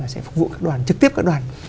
sẽ phục vụ các đoàn trực tiếp các đoàn